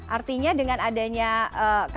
artinya dengan adanya ketentuan yang baru ini ya kan